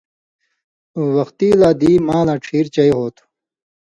وختی لا دی مالاں ڇھیرچئی ہوتُھو۔